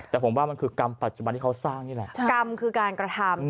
แต่ผมว่ามันคือกรรมปัจจุบันที่เขาสร้างนี่แหละกรรมคือการกระทำ